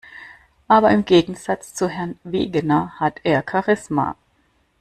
Aber im Gegensatz zu Herrn Wegener hat er Charisma.